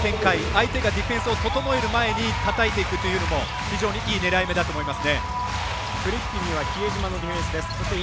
相手がディフェンスを整える前にたたいていくっていうのも非常にいい狙い目だと思います。